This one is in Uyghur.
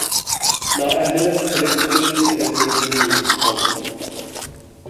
نائەھلىلىك قىلىپ، ئۆز ئىللەتلىرىمنى يېپىپ قالدىم.